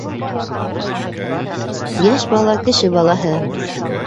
Йәш бала, кеше балаһы!